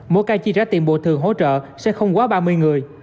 mỗi ca chi trả tiền bồi thường hỗ trợ sẽ không quá ba mươi người